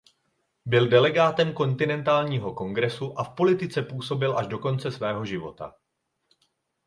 Byl delegátem kontinentálního kongresu a v politice působil až do konce svého života.